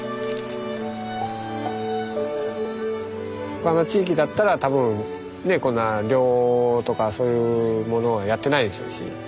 他の地域だったら多分ねっこんな漁とかそういうものをやってないでしょうし